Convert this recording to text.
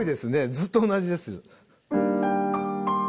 ずっと同じです。